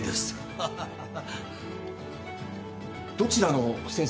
ハハハハ。